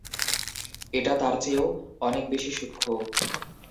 এটা তার চেয়েও অনেক বেশি সূক্ষ্ম।